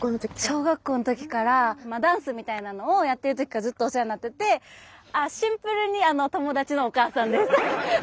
小学校のときからダンスみたいなのをやってるときからずっとお世話になっててシンプルに友達のお母さんです。